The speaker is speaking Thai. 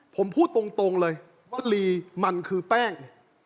ผมพูดตรงเลยว่าลีมันคือแป้ง